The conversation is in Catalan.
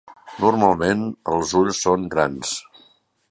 Normalment, els ulls són grans.